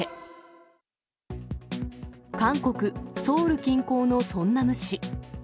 韓国・ソウル近郊のソンナム市。